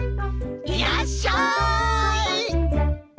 いらっしゃい！